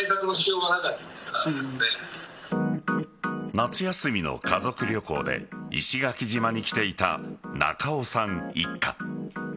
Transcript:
夏休みの家族旅行で石垣島に来ていた中尾さん一家。